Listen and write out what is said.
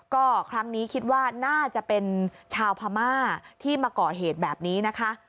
ก็ครั้งนี้คิดว่าน่าจะเป็นชาวพม่าที่มาก่อเหตุแบบนี้นะคะ